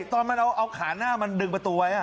ตอนมันเอาขาหน้ามันดึงประตูไว้